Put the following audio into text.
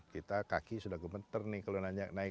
kita kaki sudah gemeter nih kalau nanya naik